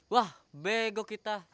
wah bego kita